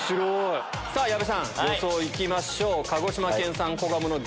さぁ矢部さん予想行きましょう。